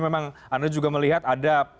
memang anda juga melihat ada